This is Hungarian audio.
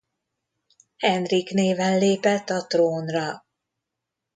Henrik néven lépett a trónra.